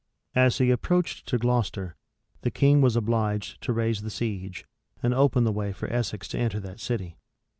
As he approached to Gloucester, the king was obliged to raise the siege, and open the way for Essex to enter that city.